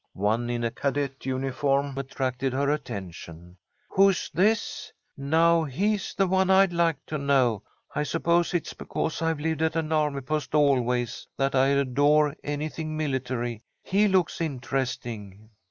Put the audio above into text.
One in a cadet uniform attracted her attention. "Who's this? Now he's the one I'd like to know. I suppose it's because I've lived at an army post always that I adore anything military. He looks interesting."